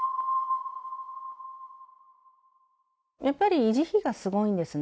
やっぱり維持費がすごいんですね。